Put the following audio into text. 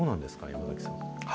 山崎さん。